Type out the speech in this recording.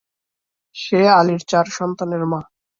সে আলির চার সন্তানের মা।